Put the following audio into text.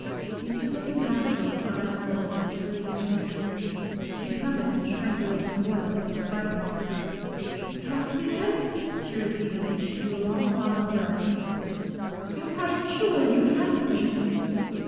He stood looking down at her with eyes full of an imperious tenderness. She trembled and shrank away before them, as if frightened. "You trust me, then?" she repeated, and she drew a long sobbing breath. "You're quite sure you trust me?"